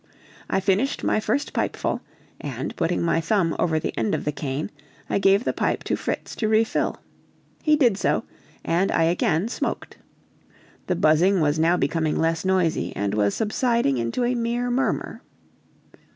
I finished my first pipeful, and putting my thumb over the end of the cane, I gave the pipe to Fritz to refill. He did so and I again smoked. The buzzing was now becoming less noisy, and was subsiding into a mere murmur.